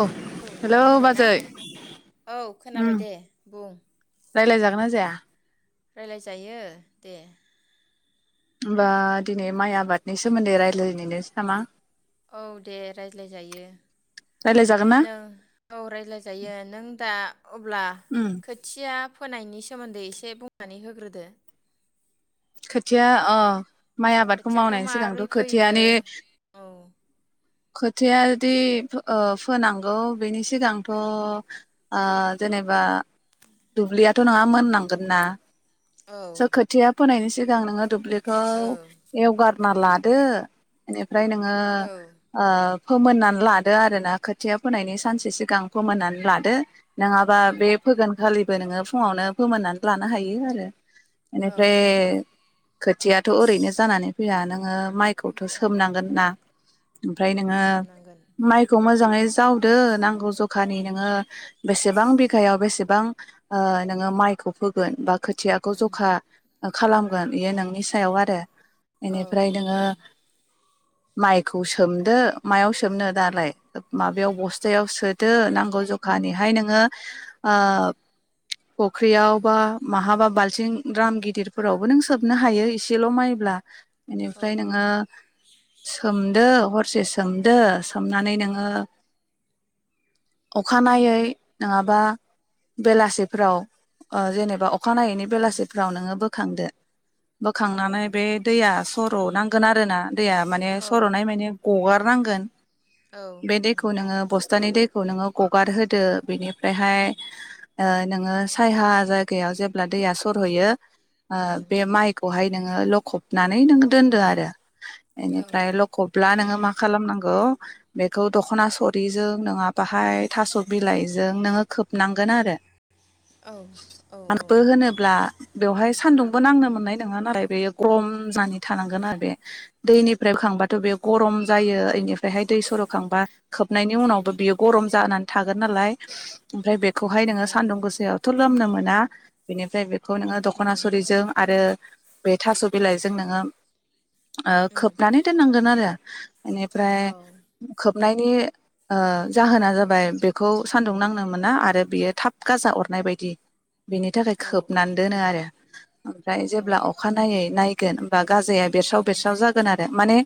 औ हेलौ बाजै औ खोनाबाय उम दे बुं रायलाय जागोन ना जाया? रायलायजायो दे। होमबा दिनै माइ आबादनि सोमोन्दै रायलायनायनोसै नामा? औ दे रायज्लायजायो रायज्लायजागोन ना? नों औ रायज्लायजायो नों दा अब्ला उम खोथिया फोनायनि सोमोन्दै एसे बुंनानै होग्रोदो। खोथिया अ माइ आबादखौ खोथियाखौ मावनायनि सिगांथ' माबोरै फैयो खोथियानि औ खोथिया जुदि फो ओ फोनांगौ बेनि सिगांथ' ओ जेनेबा दुब्लियाथ' नोंहा मोननांगोन ना। औ स खोथिया फोनायनि सिगां नोङो दुब्लि खौ औ एवगार ना लादो इनि फ्राय नोङो औ ओ फोमोननानै लादो आरोना खोथिया फोनायनि सानसे सिगां फोमोननानै लादो नङाबा उम बे फोगोन खालि नोङो फुङावनो फोमोननानै लानो हायो आरो औ फ्राय खोथियाथ' ओरैनो जानानै फैया नोङो माइखौथ' उम सोमनांगोन ना ओमफ्राय उम नोङो सोमनांगोन माइखौ मोजाङै जावदो नांगौ जखानि नोङो बेसेबां बिगायाव बेसेबां ओ नोङो माइखौ फोगोन बा खोथियाखौ जखा औ खालामगोन इयो नोंनि सायाव आ रो औ बेनिफ्राय औ औ नोङो माइखौ सोमदो मायाव सोमनो दालाय माबायाव बस याव सोदो औ नांगौ जखानिहाय नोङो ओ फुख्रियाव बा माहाबा बालथिं द्राम गिदिर फोरावबो नों सोबनो हायो एसेल' माइब्ला औ बेनिफ्राय नोङो सोमदो हर से सोमदो सोमनानै नोङो अखानायै नङाबा बेलासिफोराव ओ जेनेबा अखानायैनि बेलासिफोराव नोङो बो खांदो औ बोखांनानै बे दैया सर'नांगोन आरो ना दैया माने औ सर'नाय माने गगार हारनांगोन औ औ बे दैखौ नोङो बस्थानि दै खौ नोङो गगार होदो बेनिफ्राय ओमफ्रायहाय उम ओ नोङो सायहा जायगायाव जेब्ला दैया सरहैयो उम बे माइखौहाय नोङो लखबनानै नोङ दोनदो आरो औ बेनिफ्राय लखबब्ला नोङो मा खालामनांगौ बेखौ दखना सरिजों नङा बाहाय थास बिलाइजों नोङो खोबनांगोन आरो औ औ औ बो होनोब्ला बेवहाय सान्दुं बो नांनो उम मोन्नाय नङा नालाय बे गरम जानि थानांगोन आरो बे दैनिफ्राय बोखांबा थ बे औ गरम जायो बेनिफ्रायहाय दै सरखांबा खोबनायनि उनावबो बियो गरम जानानै थागोन नालाय ओमफ्राय बे खौहाय औ नोङो सानदुं गोसायाव खुलोमनो मोना बेनिफ्राय बेखौ नोङो द उम खनासुरिजों आरो बे थास बिलाइजों नोङो ओ उम खोबनानै दोननांगोन आरो औ एनिफ्राय खोब खोबनायनि ओ जाहोना जाबाय बेखौ सान्दुं नांनो मोना आरो बेयो थाब गाजा अरनाय बायदि बेनि थाखाय औ खोबनान दोनो आरो ओमफ्राय औ जेब्ला उम अखा नायै नाय गोन‌होनबा गाजाया बेरसाव बेरसाव जागोन आरो माने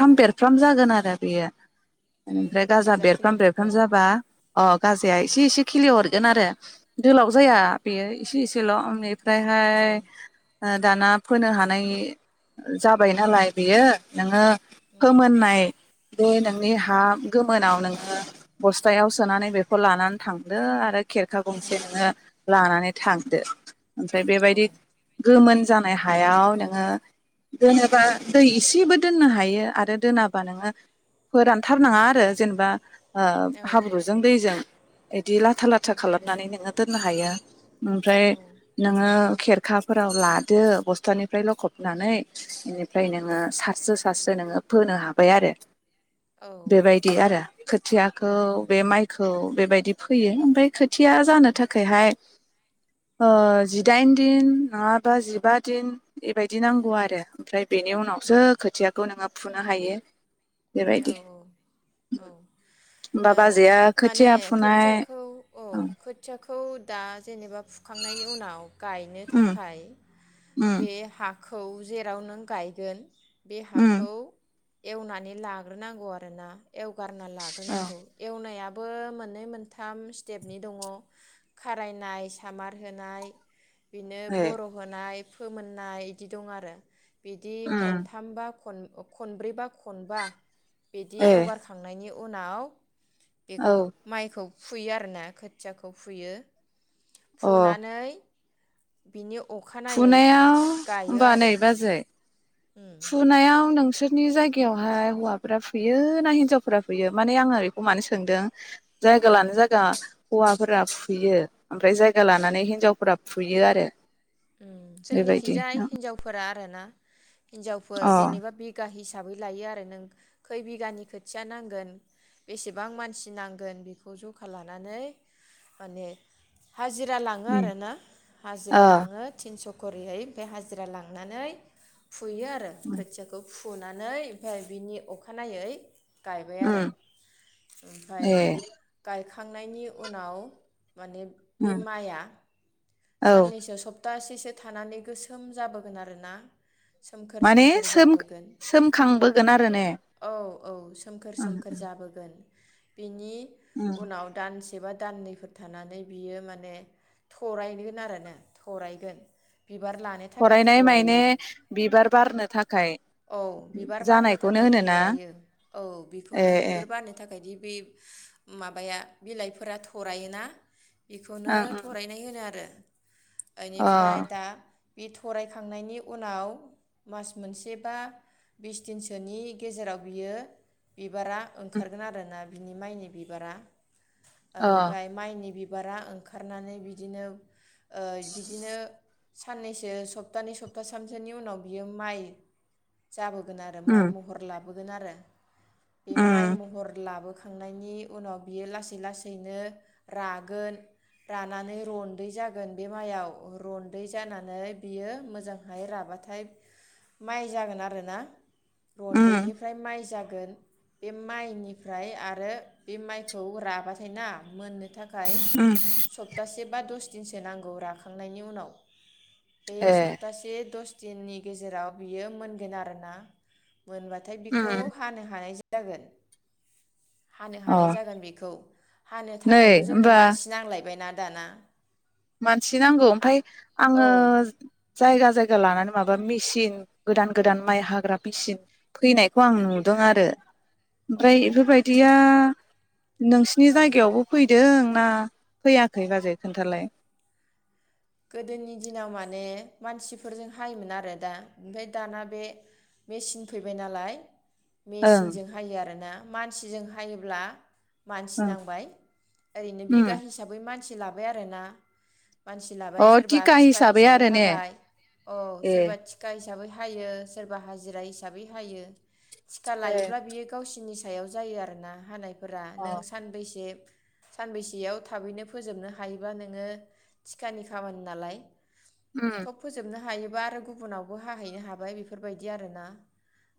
औ उम बेरफ्राम जागोन आरो बेयो इनिफ्राय गाजा बेरफ्राम बेरफ्राम जाबा अ गाजाया औ एसे एसे खिलिहर गोनआरो दोलाव औ जाया बेयो एसे औ एसेल'। उम [unintelligible] [unintelligible] दाना फोनो हानाय जाबाय नालाय बेयो नोङो फोमोननाय बे नोंनि हा गोमोनाव नोङो बस्थायाव सोनानै बेखौ लानानै थांदो आरो खेरखा गंसे उम नोङो लानानै थांदो। ओमफ्राय औ उम औ उम औ उम औ बेबायदि औ गो गोमोन जानाय हायाव नोङो दोनोबा दै इसेबो दोननो हायो आरो दोनाबा नोङो फोरानथारनाङा आरो जेनबा ओ हाब्रुजों दैजों इदि लाथा लाथा खालामनानै नोङो दोननो हायो ओमफ्राय ओ खेरखाफोराव लादो बस्थानिफ्राय लखबनानै। इनिफ्राय नोङो सारस्रो सारस्रो नोङो फोनो हाबाय आरो। बेबायदि आरो खोथियाखौ बे माइखौ बेबायदि फैयो ओमफ्राय खोथिया जानो थाखायहाय ओ जिदाइन दिन नङाबा जिबा दिन बेबायदि नांगौ आरो ओमफ्राय बेनि उनावसो खोथियाखौ नोङो फुनो हायो। औ औ बेबायदि औ होमबा ओ बाजैया माने खोथिया फुनाय खोथियाखौ औ ओं खोथियाखौ दा जेनेबा फुखांनायनि उनाव गायनो उम थाखाय उम बे हा खौ जेराव नों गायगोन। बे उम हाखौ एवनानै ला ग्रोनांगौ आरोना। एवगारना औ लाग्रोनांगौ एवनाया बो मोननै मोनथाम स्टेपनि दङ खारायनाय सामार होनाय। बिदिनो ए बर' होनाय। फोमोननाय इदि दं आरो। बिदि उम खनथामबा खन-खनब्रै बा खनबा। बिदि ए एवगारखांनायनि उनाव औ बेखौ माइखौ फुयो आरो ना खोथियाखौ फुयो। अ फुनानै बेनि फुनायाव होनबा नै बाजै उम फुनायाव नोंसोरनि जायगायावहाय हौवाफोरा फुयो ना हिनजावफोरा फुयो माने आङो ओ बेखौ मानो सोंदों। जायगा लाना जायगा हौवाफोरा फुयो। ओमफ्राय जायगा लानानै हिनजावफोरा फुयो आरो। बेबायदि जोंनिखिजाय हिन्जावफोरा [unintelligible] हिनजावफोर अ जेनेबा बिघा हिस हिसाबै लायो आरो नों खै बिगानि खोथिया नांगोन बेसेबां मानसि नांगोन बेखौ जखा लानानै माने। हाजिरा लाङो उम आरोना अ हाजिरा लाङो। स'खरैहै बे हाजिरा लांनानै फु फुयो आरो खोथियाखौ फु फुनानै ओमफाय बिनि अखानायै गायबाय उम आरो ओमफाय ए गायखा थांनायनि उनाव माने बे उम माइआ औ साननैसो सप थासेसो थानानै गोसोम जाबोगोन आरोना सोमखोर माने सोमखोर जाबोगोन सोम-सोमखांबोगोन आरो ने? औ औ सोमखोर उम सोमखोर जाबोगोन। बिनि उम उनाव दान्स एबा दान्नैफोर थानानै बियो माने थरायगोन आरोनो थरायगोन बिबार लानो थाखाय फरायनाय मायने थरायो बिबार बारनो थाखाय औ बिबार बारनो जानायखौनो थाखाय होनोना थरायो औ ए बेखौनो ए बिबार बारनो थाखायदि बिब माबाया बिलाइफोरा थरायोना बेखौनो ओं ओं थरायनाय होनो आरो। बेनिफ्राय अ दा बि थरायखांनायनि उनाव मास मोनसे बा बिस दिनसोनि गेजेराव बियो बिबारा ओंखारगोन आरोना माइनि बिबारा अ ओनिफ्राय माइनि बिब बिबारा ओंखारनानै बिदिनो ओ बिदिनो साननैसो सप्तानै सप्ताथामसोनि उनाव बियो माइ जाबोगोन आरो माइ उम महर लाब नुगोन आरो बे माइ उम महर लाबोख थांनायनि उनाव बियो लासै लासैनो रागोन रानानै रन्दै जागोन बे माइआव रन्दै जानानै बियो मोजांहाय राबाथाय माइ जागोन आरोना उम रन्दैनिफ्राय माइ जाय गोन बे माइनिफ्राय आरो बे माइखौ राबाथाय ना मोनो थाखाय उम सप्तासेब बा दस दिनसो नांगौ राख थांनायनि उनाव ए सप्तासे दस दिननि गेजेराव बियो मोनगोन आरोना मोनबाथाय बिखौ उम हानो हानाय जायो जागोन हानो अ हानाय जागोन बेखौ हानो नै थाखायबो जोंनो होमबा मानसि नांलायबाय ना दाना मानसि नांगौ हा ओमफ्राय आंङो औ जायगा जायगा लानानै माबा मेचन गोदान गोदान माइ हाग्रा मेचन फैनायखौ आं नुदों आरो औ ओमफ्राय बेफोरबायदिया नोंसिनि औ जायगायावबो फैदों ना फैयाखै बाजै खोन्थालाय? गोदोनि दिनाव माने मानसिफोरजों हायोमोन आरो दा ओमफ्राय दाना बे मेचिन फैबाय नालाय ओं मेसिनजों हायो आरोना मानसिजों हायोब्ला मानसि ओं नांबाय ओरैनो उम बिगा हिसाबै मानसि मानसि लाबाय आरोना मानसि लाबाय अ सोरबा थिखा हिसाबै आरो ने हाबाय अ ए सोरबा थिखा हिसाबै हायो सोरबा हाजिरा हिसाबै हायो टिकखा ए लायोब्ला बियो गावसिनि सायाव जायो आरोना हानाय [unintelligible] अ नों सानबैसे सानबैसेयाव थाबैनो फोजोबनो हायोब्ला नोङो थिखानि खामानि नालाय उम थब फोजोबनो [unintelligible] हायोबा आरो गुबुनावबो हाहैनो हाबाय बेफोरबायदि आरोना।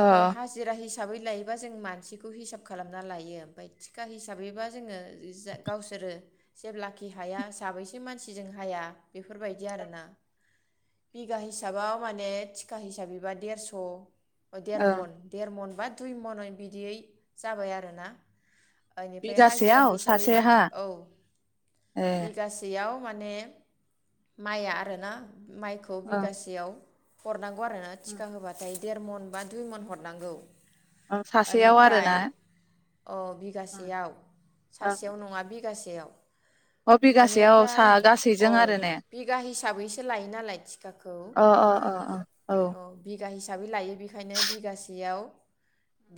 अ ओमफाय हाजिरा [unintelligible] हिसाबै लायोबा जों मानसिखौ हिसाब खालामनानै लायो ओमफ्राय थिखा हिसाबैबा जोङो गावसोरो जेब्लाखि हाया साबैसे मानसि जों हाया बेफोरबायदि आरोना बिघा हिसाबाव माने थिखा हिसाबैबा देरस' अ देर ओं मन देर मन बा दुइ मनयै बिदियै जाबाय आरोना। बेनिफ्राय हाजिरा बिगासेयाव सासे हिसाबैबाथो हा औ ए बिगासेयाव माने माइआ उम आरोना माइखौ ओं बिगासेयाव [unintelligible] [unintelligible] आरो ना ओं थिखा होबाथाय। देर मन बा दुइ मन हरनांगौ। सासेयाव आरोना। अ ओं बिगासेयाव ओं सासेयाव उम नङा बिगासे [unintelligible] अ बिगासेयाव सा औ गासैजों आरो ने बिगा हिसाबैसो लायो नालाय थिखाखौ अ अ अ औ [unintelligible] बिगा हिसाबै लायो बेखायनो बिगासेयाव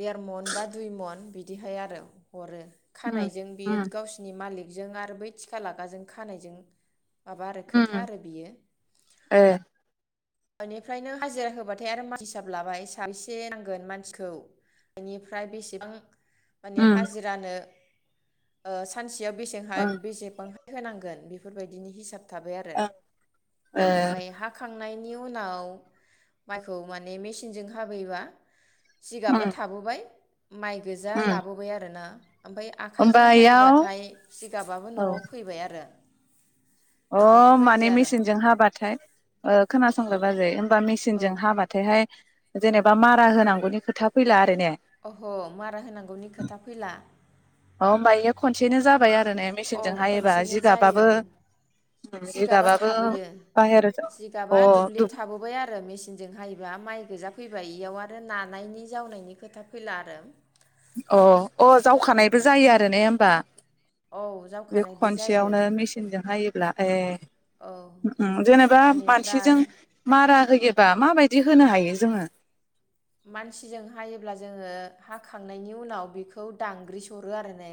देर मन बा दुइ मन बिदिहाय आरो। हरो उम खानायजों बियो उम गावसिनि मालिक जों आरो बै थिखा लागाजों खानायजों माबा आरो खोथा उम आरो बियो। ए बेनिफ्रायनो हाजिरा होबाथाय आरो मानसि हिसाब लाबाय साबसे नांगोन मानसिखौ बेनिफ्राय बेसेबां माने उम हाजिरानो सानसेयाव बेसेहाय ओं बेसेबां होनांगोन बेफोरबायदिनि हिसाब थाबाय आरो ओं ए फ्राय हाखां नाय नि उनाव माइखौ माने मेचनजों हाबैबा जिगाबा उम थाबोबाय माइ गोजा उम लाबोबाय आरो ना ओमफ्राय आखाइजों होमबा इयाव हायोबाथाय जिगाबाबो औ न'आव फैबाय आरो अ बेफोरबायदि माने आरो मेसिनजों हाबाथाय खोनास [inaudible] बा औ मेसिनजों हाबाथायहाय जेनेबा मारा होनांगौनि खोथा फैला आरो ने अ अह' मारा होनांगौनि खोथा फैला अ होनबायोयो खनसेनो जाबाय आरो ने औ मेचिनजों हायोबा खनसेनो जायो जिगाबाबो उम औ जिगाबा जिगाबाबो थाबोयो बाहेर अ जिगाबा दुब्लियाव दुब थाबोबाय आरो मेसिन जोंहायोबा माइ गोजा फैबाय इयाव आरो नानायनि जावनायनि खोथा फैला आरो अ अ औ जावखानायबो जायो आरो ने होमबा औ बे जावखानायबो जायो खनसेयावनो मेसिनजोंहाय ब्ला ए औ ओम जेनेबा बेनिफ्राय मानसिजों मारा है एबा माबायदि होनो हायो जोङो? मानसिजों हायोब्ला जोङो हाखांनायनि उनाव बेखौ दांग्रि सरो आरो ने।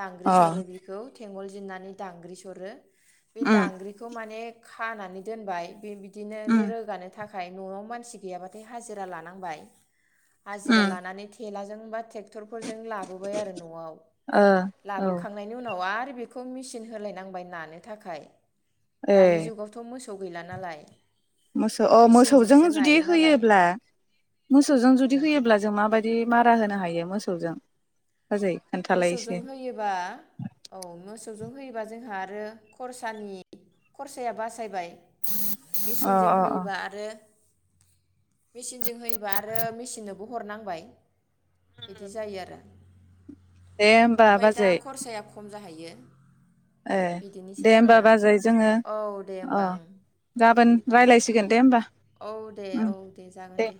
दांग्रि अ सर' बिखौ। थेंगल जिन्नानै दांग्रि सरो। बे उम दांग्रिखौ माने खानानै दोनबाय बेबि बिदिनो उम लो रोगानो थाख थाखाय न'आव मानसि गैयाबाथाय हाजिरा लाना हबाय हाजिरा उम लानानै थेलाजों होमबा थेग ट्रेक्टरफोरजों लाबोबाय आरो न'आव ओ औ लाबोखांनायनि उनाव आरो बेखौ मेसिन होलायनांबाय नानो थाखाय। ए दानि जुगावथ' मोसो गैला नालाय। मोसौ अ मोसौजों मेचिनजोंसो जुदि नायो नालाय होयोब्ला मोसौजों जुदि होयोब्ला जों माबायदि? मारा होनो हायो मोसौजों। बाजै खोन्थालाय मोसौजों एसे होयोबा औ मोसौ होयोबा जोंहा आरो खरसानि खरसाया बासायबाय। अ मेचिनजों अ अ होयोबा आरो मेचिनजों होयोबा आरो मेचिननोबो हरनांबाय। बिदि जायो आरो। दे होमबा ओमफ्राय दा बाजै। खरसाया खम जाहैयो। ए बिदिनोसै दे होमबा आरोना बाजै जोङो औ दे अ होमबा ओं गाबोन दे रायज्लायसिगोन दे ओमबा। औ दे औ दे जागोन दे।